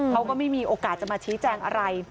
เขาก็ไม่มีโอกาสจะมาชี้แจงอะไร